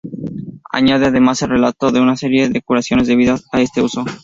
Añade además el relato de una serie de curaciones debidas a este uso.